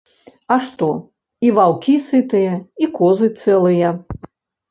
А што, і ваўкі сытыя, і козы цэлыя.